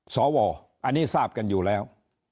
สวอันนี้ทราบกันอยู่แล้ว